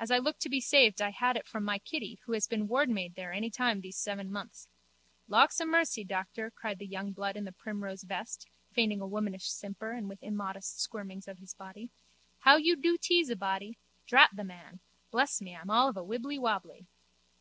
As I look to be saved I had it from my Kitty who has been wardmaid there any time these seven months. Lawksamercy, doctor, cried the young blood in the primrose vest, feigning a womanish simper and with immodest squirmings of his body, how you do tease a body! Drat the man! Bless me, I'm all of a wibbly wobbly.